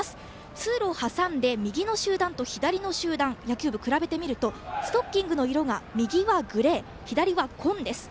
通路を挟んで右の集団と左の集団野球部比べてみるとストッキングの色が右はグレー左は紺です。